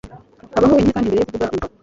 baho wenyine kandi mbere yo kuvuga, umva